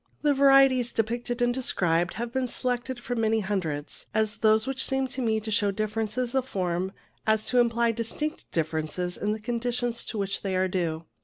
The varieties depicted and described have been selected from many hundreds, as those which seem to me to show such differences of form as to imply distinct differences in the conditions to which they are due.